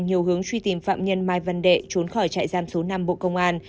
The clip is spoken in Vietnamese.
nhiều hướng truy tìm phạm nhân mai văn đệ trốn khỏi trại giam số năm bộ công an